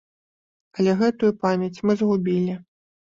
Але гэтую памяць мы згубілі.